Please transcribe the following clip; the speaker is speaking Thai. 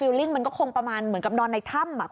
ลิ่งมันก็คงประมาณเหมือนกับนอนในถ้ำ